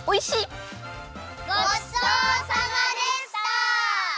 ごちそうさまでした！